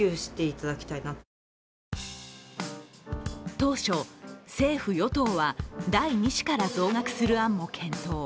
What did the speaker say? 当初、政府・与党は第２子から増額する案も検討。